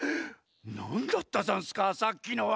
なんだったざんすかさっきのは。